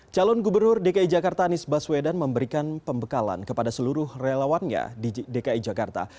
calon gubernur dki jakarta anies baswedan memberikan pembekalan kepada seluruh relawannya di dki jakarta